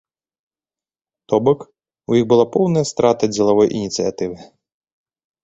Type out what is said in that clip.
То бок, у іх была поўная страта дзелавой ініцыятывы.